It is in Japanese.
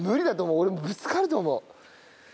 俺もぶつかると思う。